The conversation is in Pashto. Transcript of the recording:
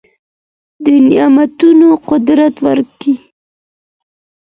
د نعمتونو قدر وکړئ.